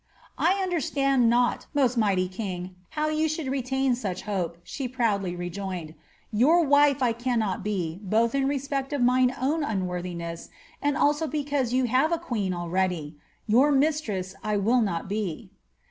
''^ I understand not, most mighty king, how you should retain such hope,'' she proudly rejoined ;^ your wife 1 cannot be, both in respect oi mine own unworthiness, and also because you have a queen already. Tour mistress I will not be.'"